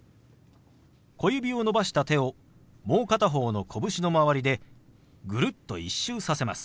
小指を伸ばした手をもう片方の拳の周りでぐるっと１周させます。